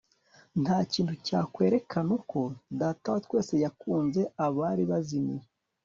Nta kintu cyakwerekanuko Data wa Twese yakunz abari bazimiye